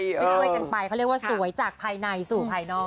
ช่วยกันไปเขาเรียกว่าสวยจากภายในสู่ภายนอก